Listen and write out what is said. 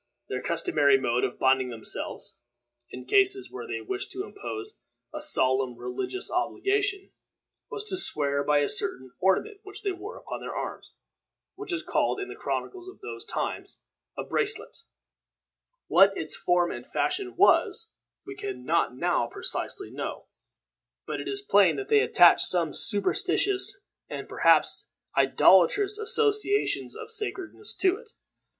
Their customary mode of binding themselves, in cases where they wished to impose a solemn religious obligation, was to swear by a certain ornament which they wore upon their arms, which is called in the chronicles of those times a bracelet. What its form and fashion was we can not now precisely know; but it is plain that they attached some superstitious, and perhaps idolatrous associations of sacredness to it.